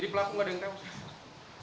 tunggu nanti satu jam